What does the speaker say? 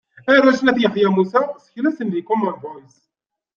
Arrac n At Yeḥya Musa, seklasen deg Common Voice.